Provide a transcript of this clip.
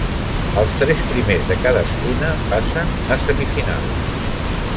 Els tres primers de cadascuna passen a semifinals.